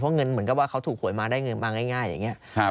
เพราะเงินเหมือนกับว่าเขาถูกหวยมาได้เงินมาง่ายอย่างนี้